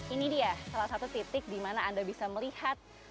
ini dia salah satu titik dimana anda bisa melihat